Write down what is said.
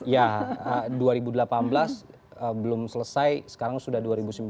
ya dua ribu delapan belas belum selesai sekarang sudah dua ribu sembilan belas